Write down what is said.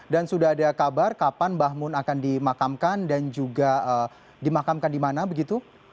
dan sudah ada kabar kapan mbah mun akan dimakamkan dan juga dimakamkan di mana begitu